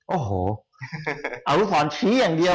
โอ้โหเอาลูกศรชี้อย่างเดียว